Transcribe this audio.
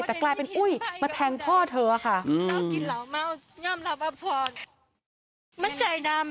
แต่กลายเป็นอุ้ยมาแทงพ่อเธอค่ะ